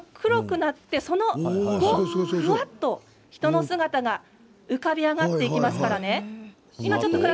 ふわっと人の姿が浮かび上がっていきますからね。